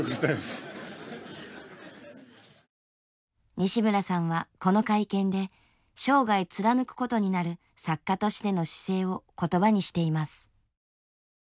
西村さんはこの会見で生涯貫くことになる作家としての姿勢を言葉にしています。